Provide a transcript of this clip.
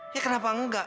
ya kenapa enggak